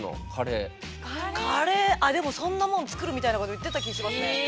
カレーあっでもそんなもん作るみたいなこと言ってた気しますね。